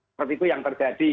seperti itu yang terjadi